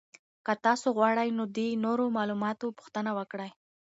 که تاسو غواړئ نو د نورو معلوماتو پوښتنه وکړئ.